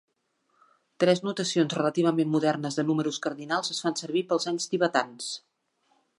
Tres notacions relativament modernes de números cardinals es fan servir pels anys tibetans.